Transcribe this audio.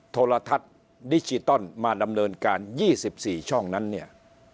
โทรทัศน์ดิจิตอลมาดำเนินการ๒๔ช่องนั้นเนี่ย